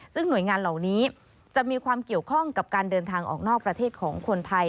ซึ่งหน่วยงานเหล่านี้จะมีความเกี่ยวข้องกับการเดินทางออกนอกประเทศของคนไทย